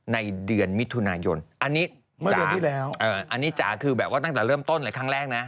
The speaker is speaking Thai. ในเดือนมิถุนายนอันนี้จ๋าอันนี้จ๋าคือแบบว่าตั้งแต่เริ่มต้นเลยครั้งแรกนะ